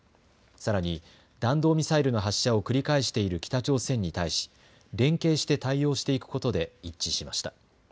さらに弾道ミサイルの発射を繰り返している北朝鮮に対し連携して対応していくことで一致しました。